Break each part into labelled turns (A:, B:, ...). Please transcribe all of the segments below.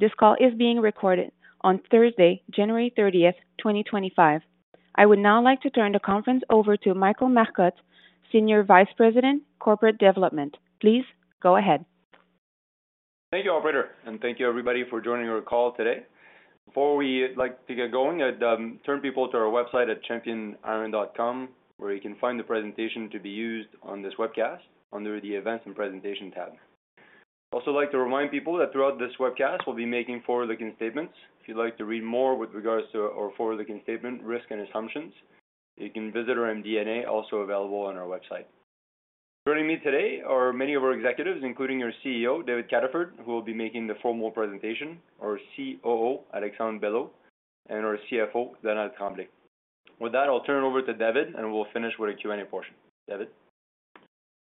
A: This call is being recorded on Thursday, January 30th, 2025. I would now like to turn the conference over to Michael Marcotte, Senior Vice President, Corporate Development. Please go ahead.
B: Thank you, Operator, and thank you, everybody, for joining our call today. Before we like to get going, I'd turn people to our website at championiron.com, where you can find the presentation to be used on this webcast under the Events and Presentation tab. I'd also like to remind people that throughout this webcast, we'll be making forward-looking statements. If you'd like to read more with regards to our forward-looking statement, risk, and assumptions, you can visit our MD&A, also available on our website. Joining me today are many of our executives, including our CEO, David Cataford, who will be making the formal presentation, our COO, Alexandre Belleau, and our CFO, Donald Tremblay. With that, I'll turn it over to David, and we'll finish with a Q&A portion.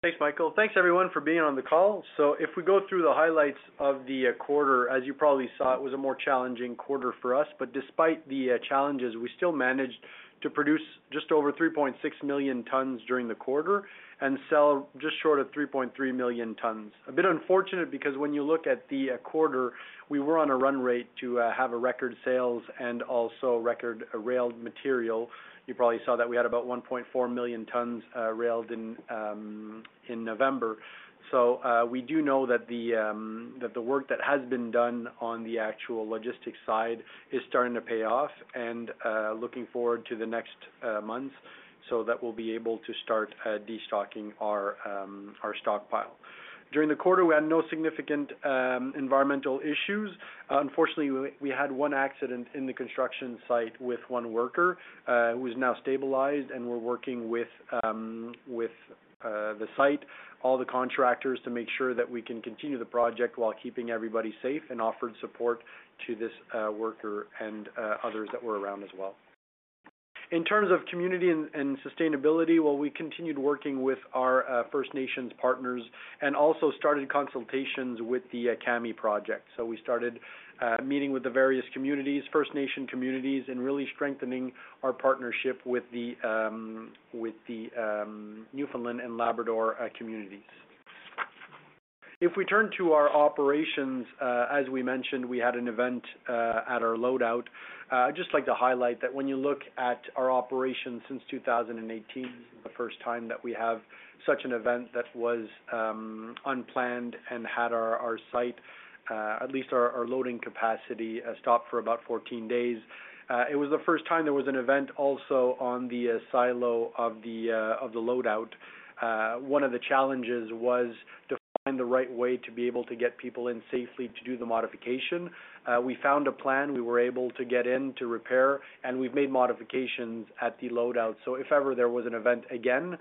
B: David.
C: Thanks, Michael. Thanks, everyone, for being on the call, so if we go through the highlights of the quarter, as you probably saw, it was a more challenging quarter for us, but despite the challenges, we still managed to produce just over 3.6 million tons during the quarter and sell just short of 3.3 million tons. A bit unfortunate because when you look at the quarter, we were on a run rate to have a record sales and also record railed material. You probably saw that we had about 1.4 million tons railed in in November, so we do know that the work that has been done on the actual logistics side is starting to pay off and looking forward to the next months so that we'll be able to start destocking our stockpile. During the quarter, we had no significant environmental issues. Unfortunately, we had one accident in the construction site with one worker, who's now stabilized, and we're working with the site, all the contractors, to make sure that we can continue the project while keeping everybody safe and offered support to this worker and others that were around as well. In terms of community and sustainability, well, we continued working with our First Nations partners and also started consultations with the Kami Project. We started meeting with the various communities, First Nation communities, and really strengthening our partnership with the Newfoundland and Labrador communities. If we turn to our operations, as we mentioned, we had an event at our loadout. I'd just like to highlight that when you look at our operations since 2018, this is the first time that we have such an event that was unplanned and had our site, at least our loading capacity, stopped for about 14 days. It was the first time there was an event also on the silo of the loadout. One of the challenges was to find the right way to be able to get people in safely to do the modification. We found a plan. We were able to get in to repair, and we've made modifications at the loadout so if ever there was an event again,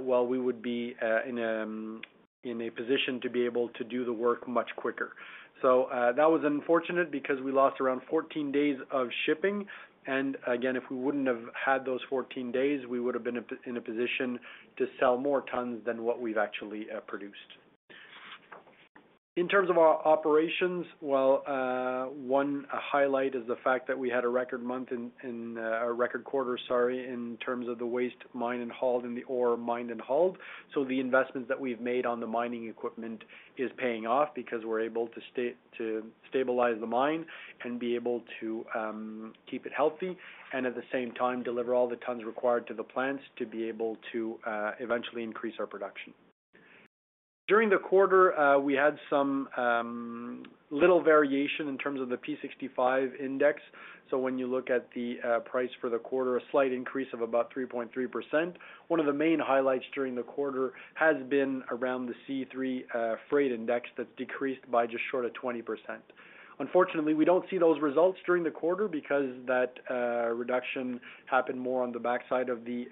C: well, we would be in a position to be able to do the work much quicker, so that was unfortunate because we lost around 14 days of shipping. Again, if we wouldn't have had those 14 days, we would have been in a position to sell more tons than what we've actually produced. In terms of our operations, one highlight is the fact that we had a record quarter, sorry, in terms of the waste mined and hauled and the ore mined and hauled. The investments that we've made on the mining equipment is paying off because we're able to stabilize the mine and be able to keep it healthy and at the same time deliver all the tons required to the plants to be able to eventually increase our production. During the quarter, we had some little variation in terms of the P65 Index. When you look at the price for the quarter, a slight increase of about 3.3%. One of the main highlights during the quarter has been around the C3 Freight Index that's decreased by just short of 20%. Unfortunately, we don't see those results during the quarter because that reduction happened more on the backside of the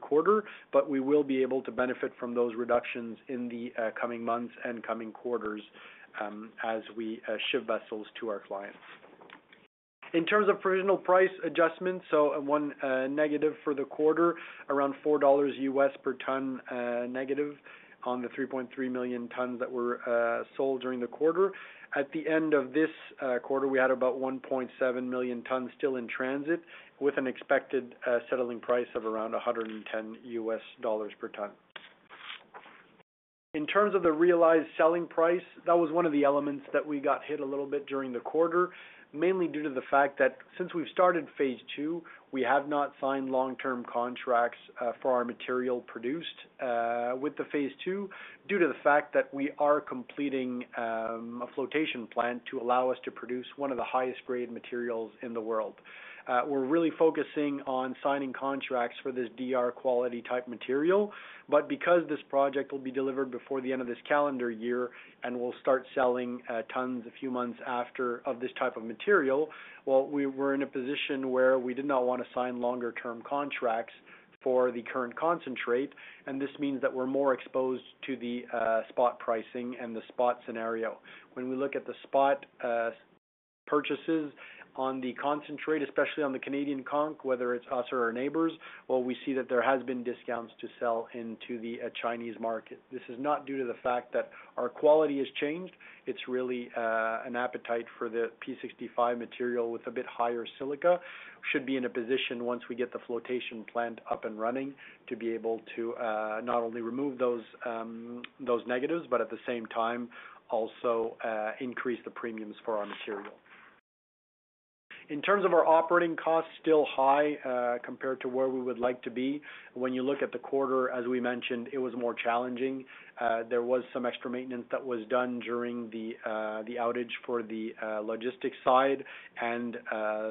C: quarter, but we will be able to benefit from those reductions in the coming months and coming quarters, as we ship vessels to our clients. In terms of provisional price adjustments, so one negative for the quarter, around $4 per ton, negative on the 3.3 million tons that were sold during the quarter. At the end of this quarter, we had about 1.7 million tons still in transit with an expected settling price of around $110 per ton. In terms of the realized selling price, that was one of the elements that we got hit a little bit during the quarter, mainly due to the fact that since we've started phase II, we have not signed long-term contracts for our material produced with the phase II due to the fact that we are completing a flotation plant to allow us to produce one of the highest-grade materials in the world. We're really focusing on signing contracts for this DR quality type material, but because this project will be delivered before the end of this calendar year and we'll start selling tons a few months after of this type of material, well, we were in a position where we did not want to sign longer-term contracts for the current concentrate, and this means that we're more exposed to the spot pricing and the spot scenario. When we look at the spot purchases on the concentrate, especially on the Canadian concentrate, whether it's us or our neighbors, well, we see that there has been discounts to sell into the Chinese market. This is not due to the fact that our quality has changed. It's really an appetite for the P65 material with a bit higher silica. We should be in a position once we get the flotation plant up and running to be able to not only remove those negatives, but at the same time also increase the premiums for our material. In terms of our operating costs, still high compared to where we would like to be. When you look at the quarter, as we mentioned, it was more challenging. There was some extra maintenance that was done during the outage for the logistics side, and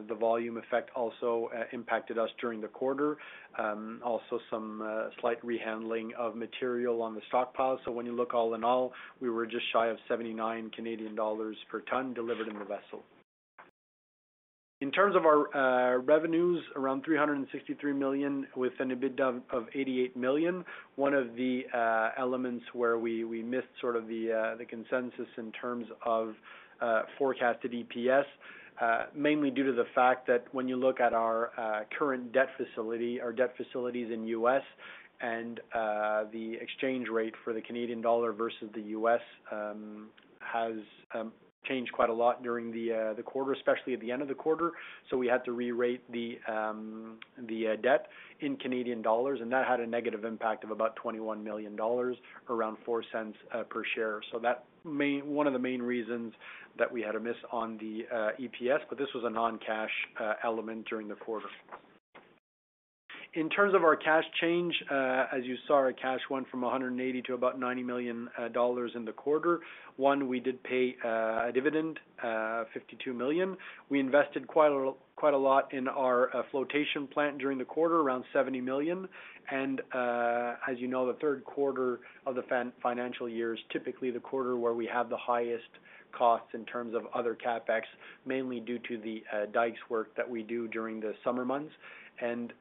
C: the volume effect also impacted us during the quarter. Also some slight rehandling of material on the stockpile. So when you look all in all, we were just shy of 79 Canadian dollars per ton delivered in the vessel. In terms of our revenues, around 363 million with an EBITDA of 88 million. One of the elements where we missed sort of the consensus in terms of forecasted EPS, mainly due to the fact that when you look at our current debt facility, our debt facilities in US and the exchange rate for the Canadian dollar versus the US has changed quite a lot during the quarter, especially at the end of the quarter. So we had to re-rate the debt in Canadian dollars, and that had a negative impact of about 21 million dollars, around 0.04 per share. So that main one of the main reasons that we had a miss on the EPS, but this was a non-cash element during the quarter. In terms of our cash change, as you saw, our cash went from 180 million to about 90 million dollars in the quarter. One, we did pay a dividend, 52 million. We invested quite a lot in our flotation plant during the quarter, around 70 million. And, as you know, the third quarter of the financial year is typically the quarter where we have the highest costs in terms of other CapEx, mainly due to the dykes work that we do during the summer months and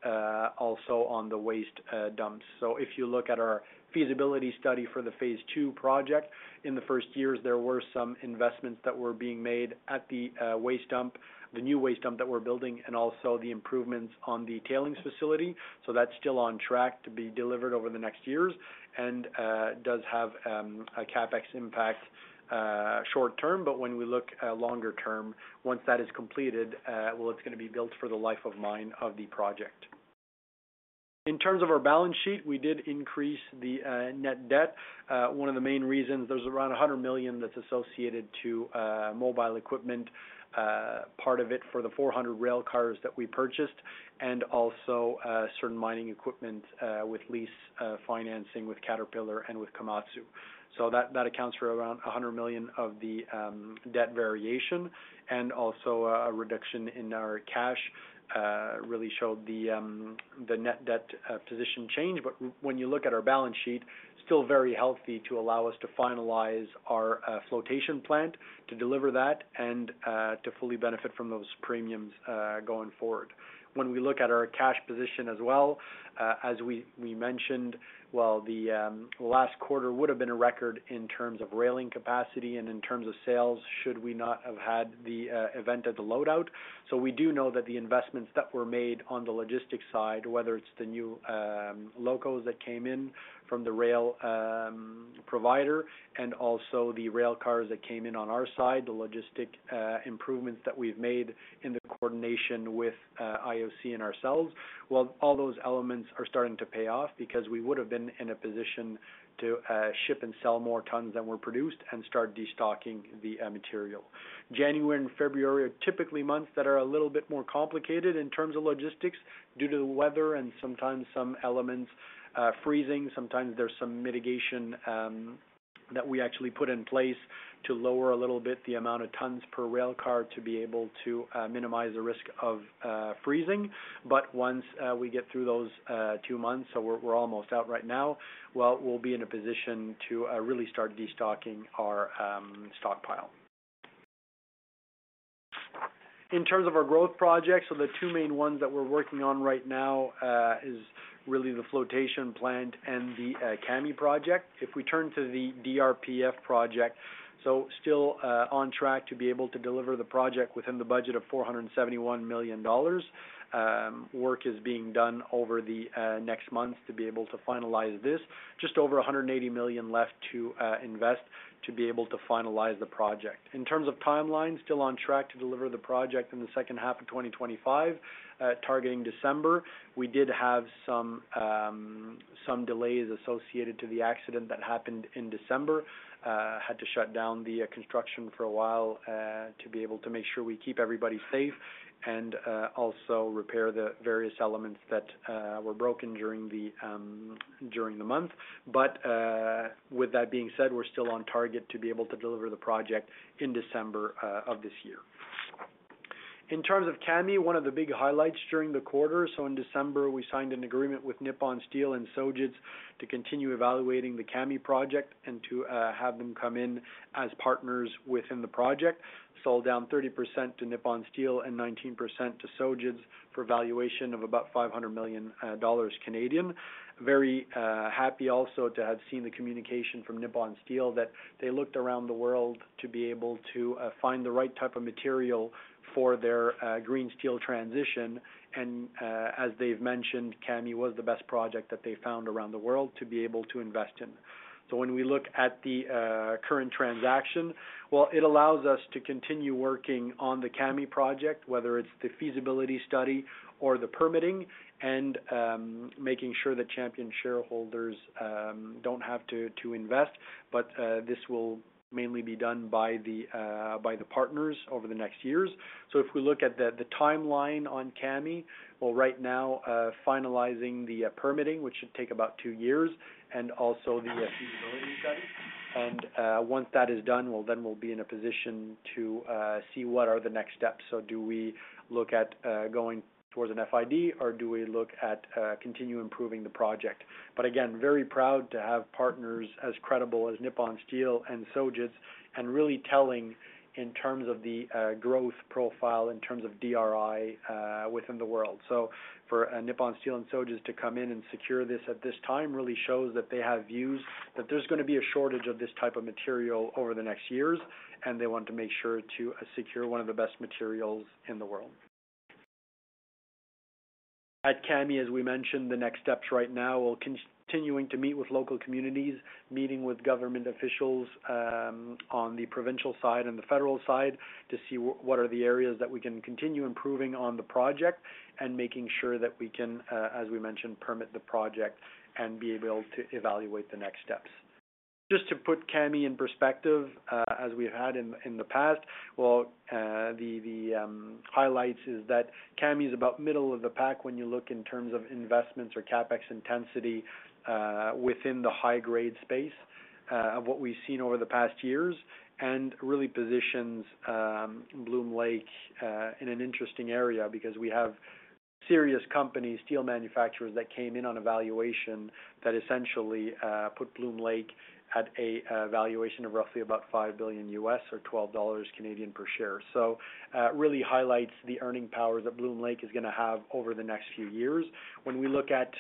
C: also on the waste dumps. So if you look at our feasibility study for the phase II project, in the first years, there were some investments that were being made at the waste dump, the new waste dump that we're building, and also the improvements on the tailings facility. So that's still on track to be delivered over the next years and does have a CapEx impact, short term. But when we look longer term, once that is completed, well, it's going to be built for the life of mine of the project. In terms of our balance sheet, we did increase the net debt. One of the main reasons there's around 100 million that's associated to mobile equipment, part of it for the 400 rail cars that we purchased, and also certain mining equipment with lease financing with Caterpillar and with Komatsu. So that accounts for around 100 million of the debt variation and also a reduction in our cash really showed the net debt position change. But when you look at our balance sheet, still very healthy to allow us to finalize our flotation plant to deliver that and to fully benefit from those premiums, going forward. When we look at our cash position as well, as we mentioned, well, the last quarter would have been a record in terms of railing capacity and in terms of sales should we not have had the event at the loadout. So we do know that the investments that were made on the logistics side, whether it's the new locos that came in from the rail provider and also the rail cars that came in on our side, the logistics improvements that we've made in the coordination with IOC and ourselves. Well, all those elements are starting to pay off because we would have been in a position to ship and sell more tons than were produced and start destocking the material. January and February are typically months that are a little bit more complicated in terms of logistics due to the weather and sometimes some elements freezing. Sometimes there's some mitigation that we actually put in place to lower a little bit the amount of tons per rail car to be able to minimize the risk of freezing. But once we get through those two months, so we're almost out right now. Well, we'll be in a position to really start destocking our stockpile. In terms of our growth projects, so the two main ones that we're working on right now is really the flotation plant and the Kami Project. If we turn to the DRPF Project, still on track to be able to deliver the project within the budget of 471 million dollars. Work is being done over the next months to be able to finalize this. Just over 180 million left to invest to be able to finalize the project. In terms of timeline, still on track to deliver the project in the second half of 2025, targeting December. We did have some delays associated to the accident that happened in December. had to shut down the construction for a while to be able to make sure we keep everybody safe and also repair the various elements that were broken during the month, but with that being said, we're still on target to be able to deliver the project in December of this year. In terms of Kami, one of the big highlights during the quarter, so in December, we signed an agreement with Nippon Steel and Sojitz to continue evaluating the Kami Project and to have them come in as partners within the project. Sold down 30% to Nippon Steel and 19% to Sojitz for valuation of about 500 million Canadian dollars. Very happy also to have seen the communication from Nippon Steel that they looked around the world to be able to find the right type of material for their green steel transition. As they've mentioned, Kami was the best project that they found around the world to be able to invest in. When we look at the current transaction, well, it allows us to continue working on the Kami Project, whether it's the feasibility study or the permitting, and making sure that Champion shareholders don't have to invest. This will mainly be done by the partners over the next years. If we look at the timeline on Kami, well, right now, finalizing the permitting, which should take about two years, and also the feasibility study. Once that is done, well, then we'll be in a position to see what are the next steps. Do we look at going towards an FID, or do we look at continue improving the project? But again, very proud to have partners as credible as Nippon Steel and Sojitz and really telling in terms of the growth profile in terms of DRI within the world. So for Nippon Steel and Sojitz to come in and secure this at this time really shows that they have views that there's going to be a shortage of this type of material over the next years, and they want to make sure to secure one of the best materials in the world. At Kami, as we mentioned, the next steps right now will continue to meet with local communities, meeting with government officials, on the provincial side and the federal side to see what are the areas that we can continue improving on the project and making sure that we can, as we mentioned, permit the project and be able to evaluate the next steps. Just to put Kami in perspective, as we've had in the past, well, the highlights is that Kami is about middle of the pack when you look in terms of investments or CapEx intensity, within the high-grade space, of what we've seen over the past years and really positions Bloom Lake in an interesting area because we have serious companies, steel manufacturers that came in on evaluation that essentially put Bloom Lake at a valuation of roughly about CAD 5 billion or 12 Canadian dollars per share. So, really highlights the earning power that Bloom Lake is going to have over the next few years. When we look at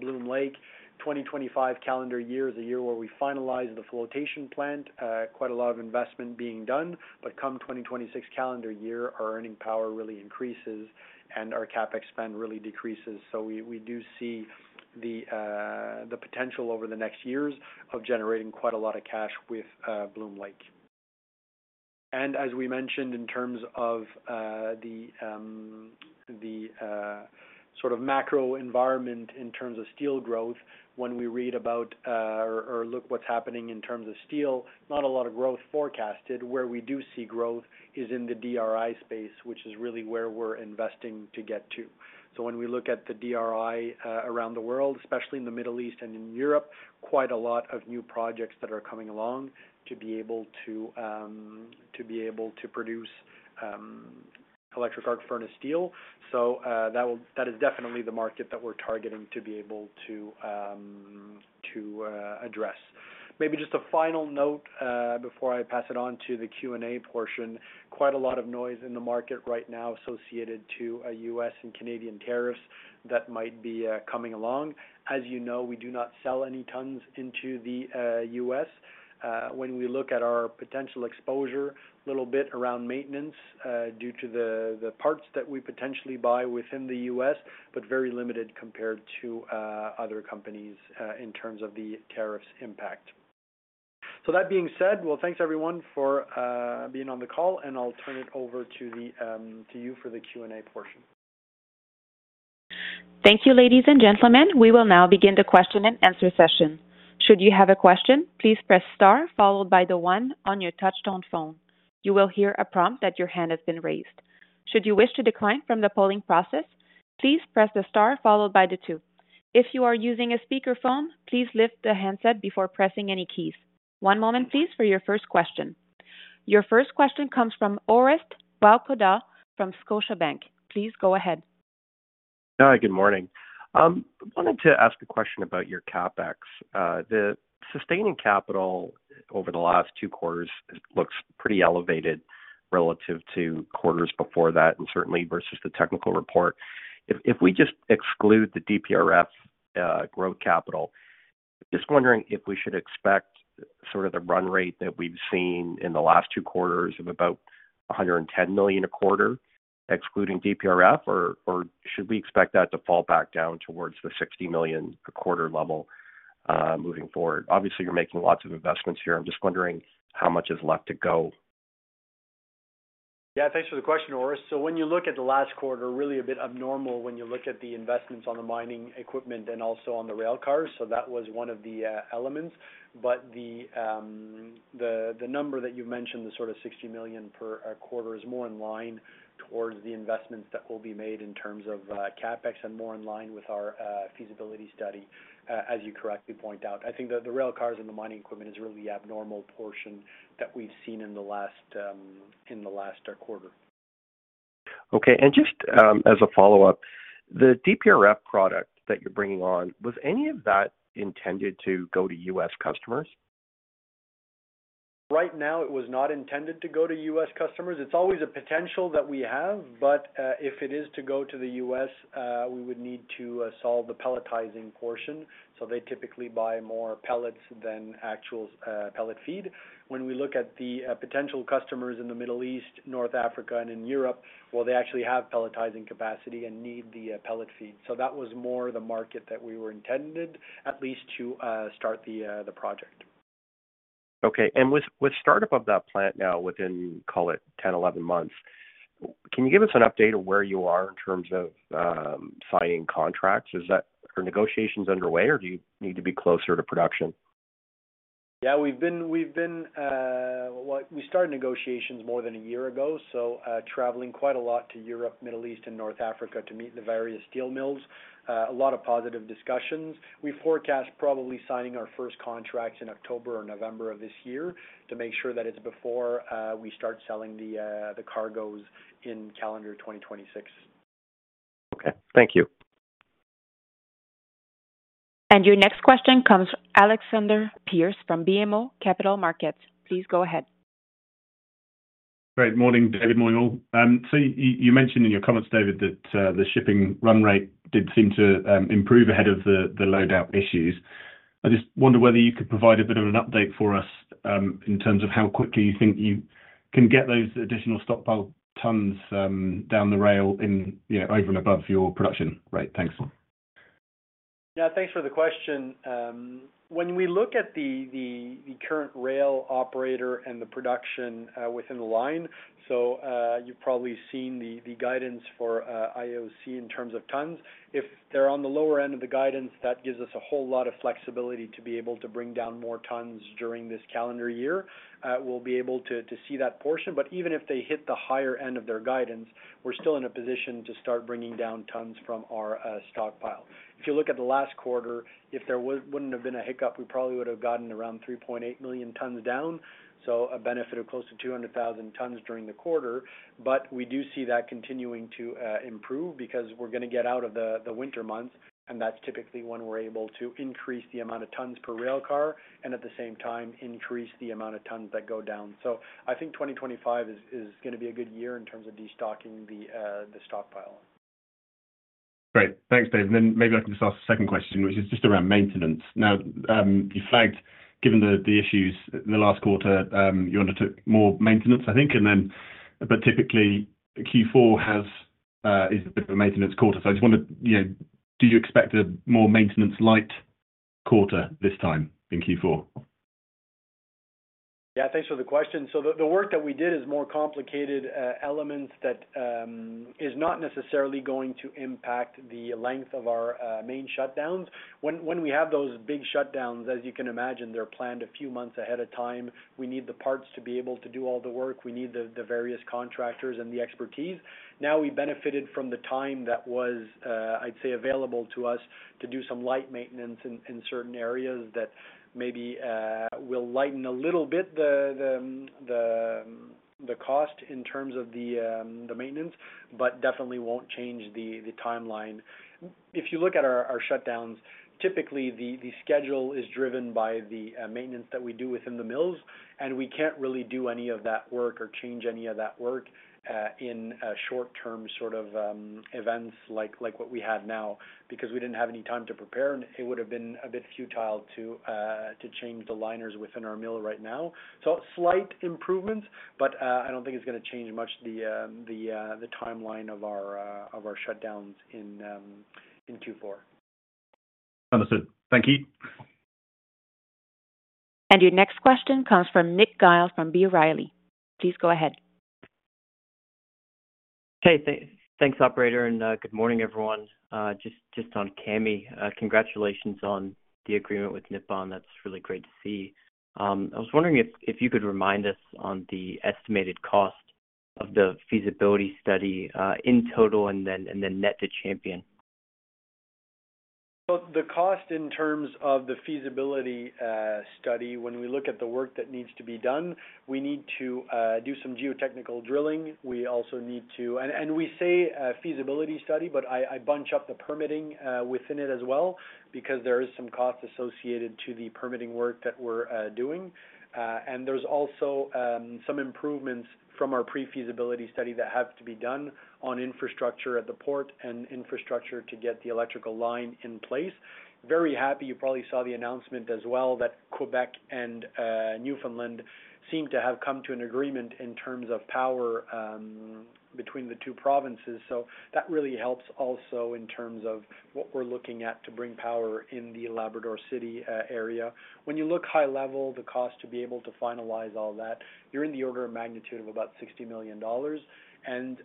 C: Bloom Lake, 2025 calendar year is a year where we finalize the flotation plant, quite a lot of investment being done. But come 2026 calendar year, our earning power really increases and our CapEx spend really decreases. So we do see the potential over the next years of generating quite a lot of cash with Bloom Lake. And as we mentioned, in terms of the sort of macro environment in terms of steel growth, when we read about or look what's happening in terms of steel, not a lot of growth forecasted. Where we do see growth is in the DRI space, which is really where we're investing to get to. So when we look at the DRI around the world, especially in the Middle East and in Europe, quite a lot of new projects that are coming along to be able to produce electric arc furnace steel. So that is definitely the market that we're targeting to address. Maybe just a final note before I pass it on to the Q&A portion. Quite a lot of noise in the market right now associated to U.S. and Canadian tariffs that might be coming along. As you know, we do not sell any tons into the U.S. When we look at our potential exposure, a little bit around maintenance, due to the parts that we potentially buy within the U.S., but very limited compared to other companies in terms of the tariffs impact. So that being said, well, thanks everyone for being on the call, and I'll turn it over to you for the Q&A portion.
A: Thank you, ladies and gentlemen. We will now begin the question-and-answer session. Should you have a question, please press star followed by the one on your touch-tone phone. You will hear a prompt that your hand has been raised. Should you wish to decline from the polling process, please press the star followed by the two. If you are using a speakerphone, please lift the handset before pressing any keys. One moment, please, for your first question. Your first question comes from Orest Wowkodaw from Scotiabank. Please go ahead.
D: Hi, good morning. Wanted to ask a question about your CapEx. The sustaining capital over the last two quarters looks pretty elevated relative to quarters before that and certainly versus the technical report. If we just exclude the DRPF, growth capital, just wondering if we should expect sort of the run rate that we've seen in the last two quarters of about 110 million a quarter, excluding DRPF, or should we expect that to fall back down towards the 60 million a quarter level, moving forward? Obviously, you're making lots of investments here. I'm just wondering how much is left to go.
C: Yeah, thanks for the question, Orest. So when you look at the last quarter, really a bit abnormal when you look at the investments on the mining equipment and also on the rail cars. So that was one of the elements. But the number that you mentioned, the sort of 60 million per quarter is more in line towards the investments that will be made in terms of CapEx and more in line with our feasibility study, as you correctly point out. I think that the rail cars and the mining equipment is really the abnormal portion that we've seen in the last quarter.
D: Okay. And just as a follow-up, the DRPF Product that you're bringing on, was any of that intended to go to U.S. customers?
C: Right now, it was not intended to go to U.S. customers. It's always a potential that we have. But if it is to go to the U.S., we would need to solve the pelletizing portion. So they typically buy more pellets than concentrates, pellet feed. When we look at the potential customers in the Middle East, North Africa, and in Europe, well, they actually have pelletizing capacity and need the pellet feed. So that was more the market that we were intended, at least to start the project.
D: Okay, and with startup of that plant now within, call it 10-11 months, can you give us an update of where you are in terms of signing contracts? Are negotiations underway, or do you need to be closer to production?
C: Yeah, we've been well, we started negotiations more than a year ago. Traveling quite a lot to Europe, Middle East, and North Africa to meet the various steel mills. A lot of positive discussions. We forecast probably signing our first contracts in October or November of this year to make sure that it's before we start selling the cargoes in calendar 2026.
D: Okay. Thank you.
A: And your next question comes from Alexander Pearce from BMO Capital Markets. Please go ahead.
E: Good morning, David Cataford. So you mentioned in your comments, David, that the shipping run rate did seem to improve ahead of the loadout issues. I just wonder whether you could provide a bit of an update for us in terms of how quickly you think you can get those additional stockpile tons down the rail, you know, over and above your production rate. Thanks.
C: Yeah, thanks for the question. When we look at the current rail operator and the production within the line, so you've probably seen the guidance for IOC in terms of tons. If they're on the lower end of the guidance, that gives us a whole lot of flexibility to be able to bring down more tons during this calendar year. We'll be able to see that portion. But even if they hit the higher end of their guidance, we're still in a position to start bringing down tons from our stockpile. If you look at the last quarter, if there wouldn't have been a hiccup, we probably would have gotten around 3.8 million tons down, so a benefit of close to 200,000 tons during the quarter. But we do see that continuing to improve because we're going to get out of the winter months, and that's typically when we're able to increase the amount of tons per rail car and at the same time increase the amount of tons that go down. So I think 2025 is going to be a good year in terms of destocking the stockpile.
E: Great. Thanks, David. And then maybe I can just ask a second question, which is just around maintenance. Now you flagged, given the issues in the last quarter, you undertook more maintenance, I think. And then, but typically Q4 is a bit of a maintenance quarter. So I just wanted, you know, do you expect a more maintenance-light quarter this time in Q4?
C: Yeah, thanks for the question. So the work that we did is more complicated elements that is not necessarily going to impact the length of our main shutdowns. When we have those big shutdowns, as you can imagine, they're planned a few months ahead of time. We need the parts to be able to do all the work. We need the various contractors and the expertise. Now we benefited from the time that was, I'd say, available to us to do some light maintenance in certain areas that maybe will lighten a little bit the cost in terms of the maintenance, but definitely won't change the timeline. If you look at our shutdowns, typically the schedule is driven by the maintenance that we do within the mills, and we can't really do any of that work or change any of that work in short-term sort of events like what we have now because we didn't have any time to prepare, and it would have been a bit futile to change the liners within our mill right now. So slight improvements, but I don't think it's going to change much the timeline of our shutdowns in Q4.
E: Understood. Thank you.
A: And your next question comes from Nick Giles from B. Riley. Please go ahead.
F: Hey, thanks, operator. And good morning, everyone. Just on Kami, congratulations on the agreement with Nippon. That's really great to see. I was wondering if you could remind us on the estimated cost of the feasibility study, in total and then net to Champion.
C: So the cost in terms of the feasibility study, when we look at the work that needs to be done, we need to do some geotechnical drilling. We also need to, and we say feasibility study, but I bunch up the permitting within it as well because there is some cost associated to the permitting work that we're doing. And there's also some improvements from our pre-feasibility study that have to be done on infrastructure at the port and infrastructure to get the electrical line in place. Very happy. You probably saw the announcement as well that Quebec and Newfoundland seem to have come to an agreement in terms of power between the two provinces. So that really helps also in terms of what we're looking at to bring power in the Labrador City area. When you look high level, the cost to be able to finalize all that, you're in the order of magnitude of about 60 million dollars. And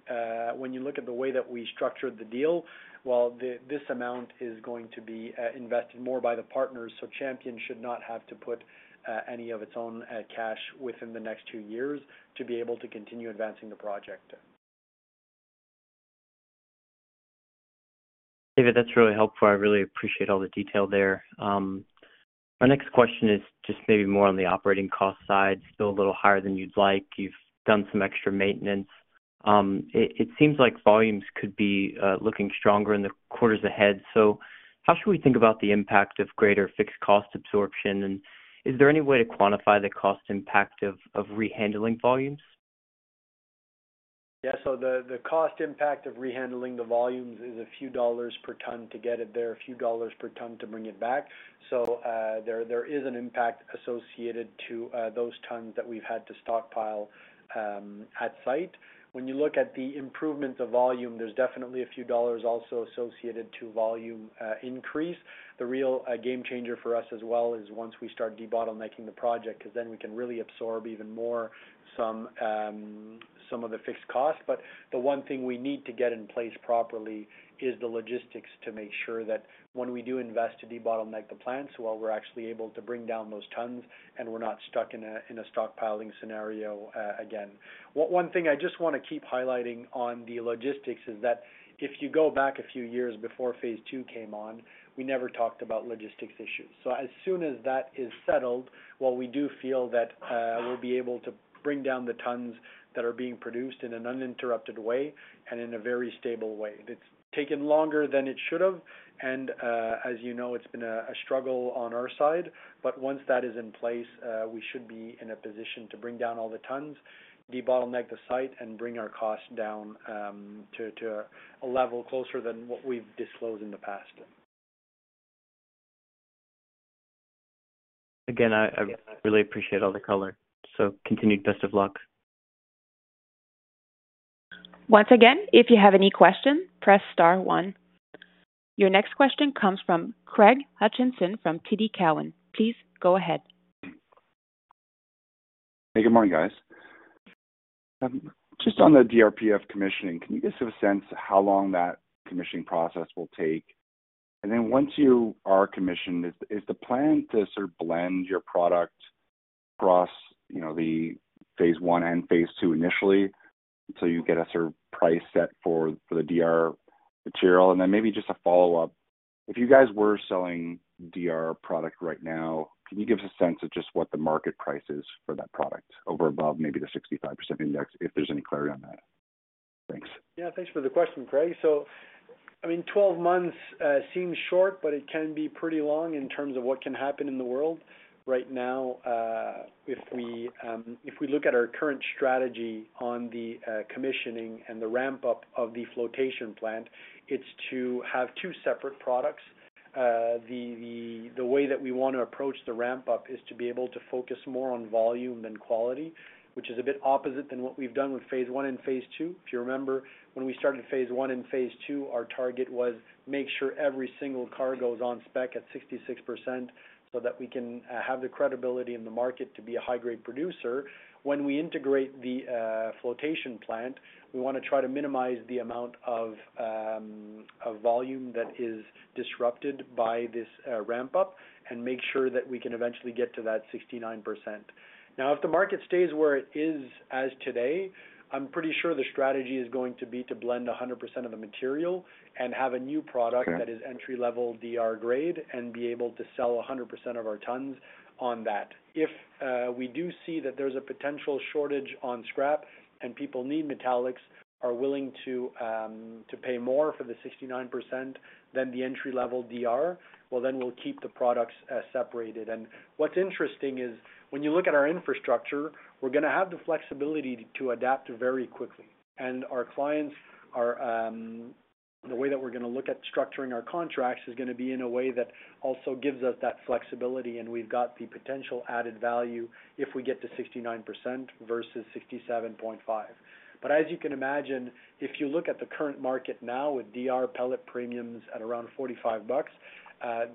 C: when you look at the way that we structured the deal, well, this amount is going to be invested more by the partners. So Champion should not have to put any of its own cash within the next two years to be able to continue advancing the project.
F: David, that's really helpful. I really appreciate all the detail there. My next question is just maybe more on the operating cost side, still a little higher than you'd like. You've done some extra maintenance. It seems like volumes could be looking stronger in the quarters ahead. How should we think about the impact of greater fixed cost absorption? And is there any way to quantify the cost impact of rehandling volumes?
C: Yeah. So the cost impact of rehandling the volumes is a few dollars per ton to get it there, a few dollars per ton to bring it back. So there is an impact associated to those tons that we've had to stockpile at site. When you look at the improvement of volume, there's definitely a few dollars also associated to volume increase. The real game changer for us as well is once we start debottlenecking the project because then we can really absorb even more some of the fixed cost. But the one thing we need to get in place properly is the logistics to make sure that when we do invest to debottleneck the plants, well, we're actually able to bring down those tons and we're not stuck in a stockpiling scenario again. One thing I just want to keep highlighting on the logistics is that if you go back a few years before phase II came on, we never talked about logistics issues. So as soon as that is settled, well, we do feel that we'll be able to bring down the tons that are being produced in an uninterrupted way and in a very stable way. It's taken longer than it should have. And as you know, it's been a struggle on our side. But once that is in place, we should be in a position to bring down all the tons, debottleneck the site, and bring our cost down to a level closer than what we've disclosed in the past.
F: Again, I really appreciate all the color. So continued best of luck.
A: Once again, if you have any questions, press star one. Your next question comes from Craig Hutchison from TD Cowen. Please go ahead.
G: Hey, good morning, guys. Just on the DRPF commissioning, can you give us a sense of how long that commissioning process will take? And then once you are commissioned, is the plan to sort of blend your product across, you know, the phase I and phase II initially until you get a sort of price set for the DR material? And then maybe just a follow-up, if you guys were selling DR product right now, can you give us a sense of just what the market price is for that product over and above maybe the 65% index, if there's any clarity on that?
C: Thanks. Yeah, thanks for the question, Craig. So, I mean, 12 months seems short, but it can be pretty long in terms of what can happen in the world. Right now, if we look at our current strategy on the commissioning and the ramp-up of the flotation plant, it's to have two separate products. The way that we want to approach the ramp-up is to be able to focus more on volume than quality, which is a bit opposite than what we've done with phase I and phase II. If you remember, when we started phase I and phase II, our target was make sure every single car goes on spec at 66% so that we can have the credibility in the market to be a high-grade producer. When we integrate the flotation plant, we want to try to minimize the amount of volume that is disrupted by this ramp-up and make sure that we can eventually get to that 69%. Now, if the market stays where it is as today, I'm pretty sure the strategy is going to be to blend 100% of the material and have a new product that is entry-level DR grade and be able to sell 100% of our tons on that. If we do see that there's a potential shortage on scrap and people need metallics, are willing to pay more for the 69% than the entry-level DR, well, then we'll keep the products separated. And what's interesting is when you look at our infrastructure, we're going to have the flexibility to adapt very quickly. And our clients are, the way that we're going to look at structuring our contracts is going to be in a way that also gives us that flexibility, and we've got the potential added value if we get to 69% versus 67.5%. But as you can imagine, if you look at the current market now with DR pellet premiums at around $45,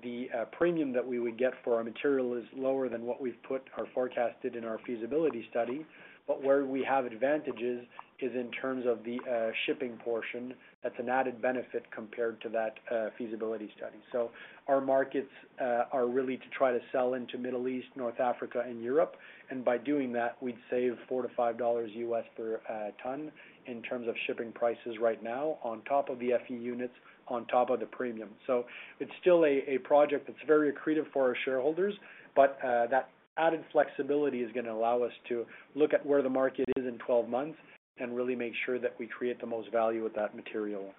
C: the premium that we would get for our material is lower than what we've put or forecasted in our feasibility study. But where we have advantages is in terms of the shipping portion. That's an added benefit compared to that feasibility study. So our markets are really to try to sell into Middle East, North Africa, and Europe. And by doing that, we'd save $4-$5 US per ton in terms of shipping prices right now on top of the Fe units, on top of the premium. So it's still a project that's very accretive for our shareholders, but that added flexibility is going to allow us to look at where the market is in 12 months and really make sure that we create the most value with that material.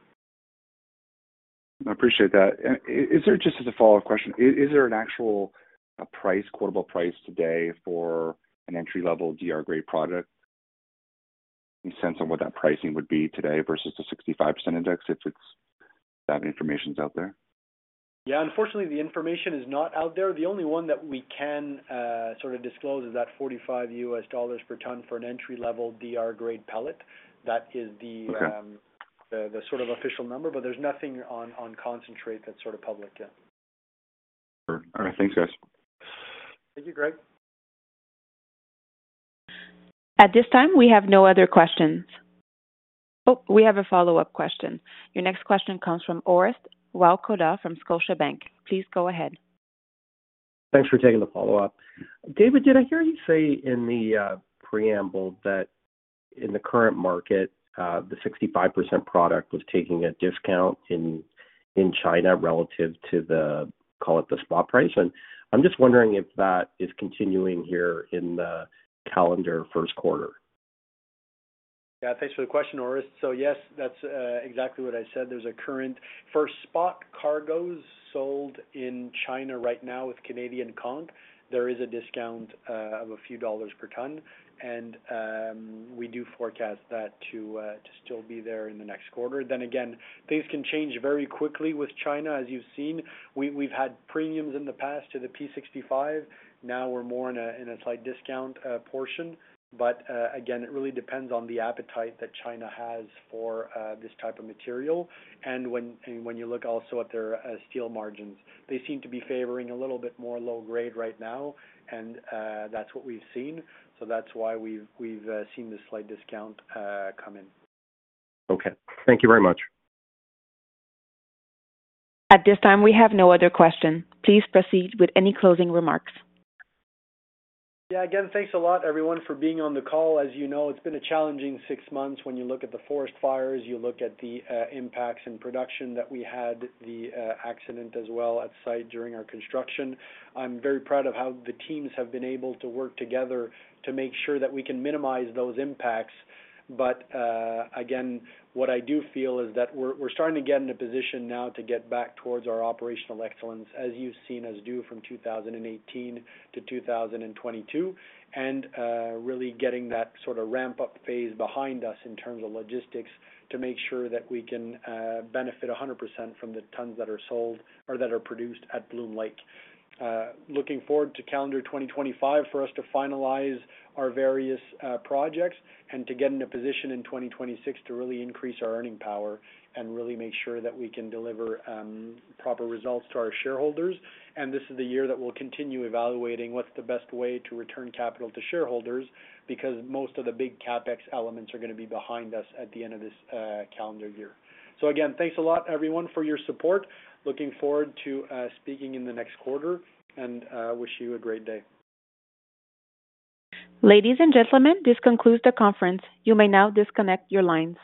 C: I appreciate that.
G: And is there just as a follow-up question, is there an actual a price quotable price today for an entry-level DR grade product? Any sense on what that pricing would be today versus the 65% index if that information's out there?
C: Yeah, unfortunately, the information is not out there. The only one that we can, sort of disclose is that $45 per ton for an entry-level DR grade pellet. That is the sort of official number, but there's nothing on concentrate that's sort of public yet.
G: All right. Thanks, guys.
A: Thank you, Craig. At this time, we have no other questions. Oh, we have a follow-up question. Your next question comes from Orest Wowkodaw from Scotiabank. Please go ahead.
D: Thanks for taking the follow-up. David, did I hear you say in the preamble that in the current market, the 65% product was taking a discount in China relative to the, call it the spot price? I'm just wondering if that is continuing here in the calendar first quarter.
C: Yeah, thanks for the question, Orest. So yes, that's exactly what I said. There's a current first spot cargoes sold in China right now with Canadian Con. There is a discount of a few dollars per ton. And we do forecast that to still be there in the next quarter. Then again, things can change very quickly with China, as you've seen. We've had premiums in the past to the P65. Now we're more in a slight discount portion. But again, it really depends on the appetite that China has for this type of material. And when you look also at their steel margins, they seem to be favoring a little bit more low grade right now. And that's what we've seen. So that's why we've seen the slight discount come in.
D: Okay. Thank you very much.
A: At this time, we have no other question. Please proceed with any closing remarks.
C: Yeah, again, thanks a lot, everyone, for being on the call. As you know, it's been a challenging six months. When you look at the forest fires, you look at the impacts in production that we had, the accident as well at site during our construction. I'm very proud of how the teams have been able to work together to make sure that we can minimize those impacts. Again, what I do feel is that we're starting to get in a position now to get back towards our operational excellence, as you've seen us do from 2018 to 2022, and really getting that sort of ramp-up phase behind us in terms of logistics to make sure that we can benefit 100% from the tons that are sold or that are produced at Bloom Lake. Looking forward to calendar 2025 for us to finalize our various projects and to get in a position in 2026 to really increase our earning power and really make sure that we can deliver proper results to our shareholders. This is the year that we'll continue evaluating what's the best way to return capital to shareholders because most of the big CapEx elements are going to be behind us at the end of this calendar year. Again, thanks a lot, everyone, for your support. Looking forward to speaking in the next quarter and wish you a great day.
A: Ladies and gentlemen, this concludes the conference. You may now disconnect your lines.